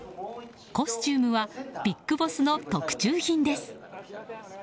コスチュームはビッグボスの特注品です。